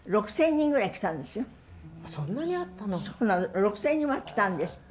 ６，０００人も来たんですって。